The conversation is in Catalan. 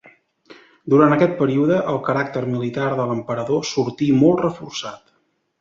Durant aquest període, el caràcter militar de l'emperador sortí molt reforçat.